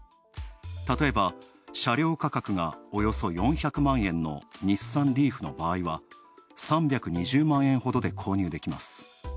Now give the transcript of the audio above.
たとえば、車両価格がおよそ４００万円の日産リーフの場合は、３２０万円ほどで購入できます。